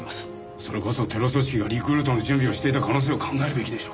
それこそテロ組織がリクルートの準備をしていた可能性を考えるべきでしょう。